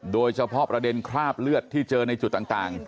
โดยเฉพาะประเด็นคราบเลือดที่เจอในจุดต่าง